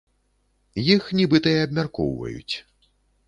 Іх, нібыта, і абмяркоўваюць.